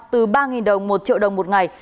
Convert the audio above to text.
từ ba đồng một triệu đồng một ngày